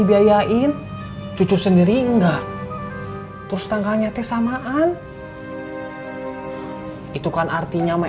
kalau cucunya bukan siapa siapa